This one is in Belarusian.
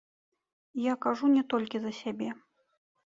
Я кажу не толькі за сябе.